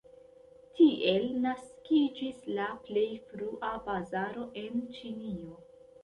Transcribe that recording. Tiel naskiĝis la plej frua bazaro en Ĉinio.